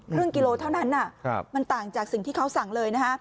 ครึ่งกิโลเท่านั้นมันต่างจากสิ่งที่เขาสั่งเลย